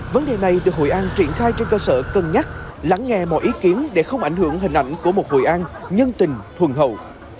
vấn đề này được hội an triển khai trên cơ sở cân nhắc lắng nghe mọi ý kiến để không ảnh hưởng hình ảnh của một hội an nhân tình thuần hậu